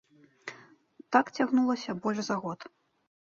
Так цягнулася больш за год.